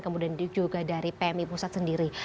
kemudian juga dari pmi pusat sendiri